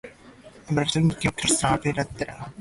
However, both mother and baby survive and seem likely to thrive.